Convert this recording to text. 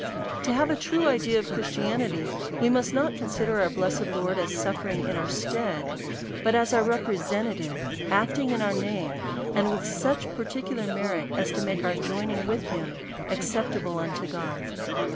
To have a true idea of Christianity, we must not consider our blessed Lord us suffering in our stead, but as our representative, acting in our name, and DEVOUT AND HOLY LIFE. 225 with such particular merit, as to make our joining with him acceptable unto God.